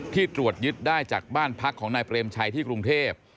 ตรวจยึดได้จากบ้านพักของนายเปรมชัยที่กรุงเทพ